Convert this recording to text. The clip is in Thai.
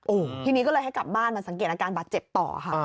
โอ้โหทีนี้ก็เลยให้กลับบ้านมาสังเกตอาการบาดเจ็บต่อค่ะ